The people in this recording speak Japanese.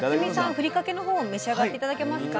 ふりかけの方を召し上がって頂けますか。